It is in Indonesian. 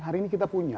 hari ini kita punya